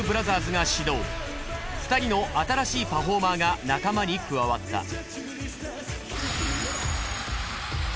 ２人の新しいパフォーマーが仲間に加わった。